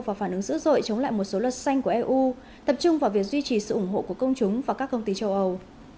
và phản ứng dữ dội chống lại một số luật xanh của eu tập trung vào việc duy trì sự ủng hộ của công chúng và các công ty châu âu